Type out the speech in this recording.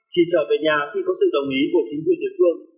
chỉ chờ về nhà khi có sự đồng ý của chính quyền địa phương